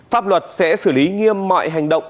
pháp luật sẽ xử lý nghiêm mọi hành động